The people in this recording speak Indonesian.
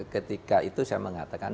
ketika itu saya mengatakan